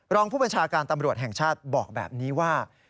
รองผู้บัญชาการตำรวจแห่งชาติบอกแบบนี้ว่า